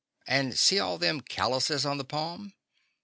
And see all them callouses on the pa'm.